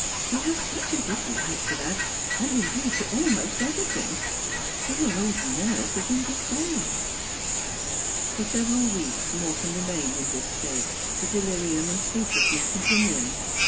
He has such a dislike to that, and indeed to almost everything. Poor old nurse is in despair.' For several weeks Morton remained in this state, the delirium and sleeplessness continuing.